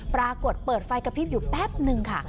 ปรากฏเปิดไฟกระพริบอยู่แป๊บนึงค่ะ